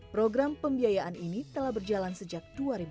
program pembiayaan ini telah berjalan sejak dua ribu enam belas